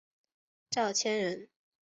赵谦人。